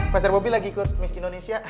pacar bobi lagi ikut miss indonesia